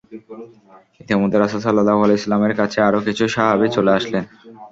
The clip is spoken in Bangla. ইতোমধ্যে রাসূল সাল্লাল্লাহু আলাইহি ওয়াসাল্লাম-এর কাছে আরো কিছু সাহাবী চলে আসেন।